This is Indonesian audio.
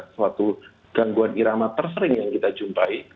suatu gangguan irama tersering yang kita jumpai